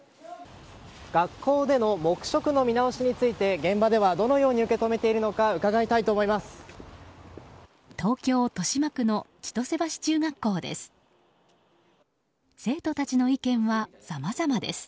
学校での黙食の見直しについて現場ではどのように受け止めているのか伺いたいと思います。